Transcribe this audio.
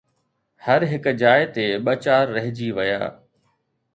هر هڪ جاءِ تي ٻه چار رهجي ويا